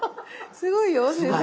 すごいよ先生。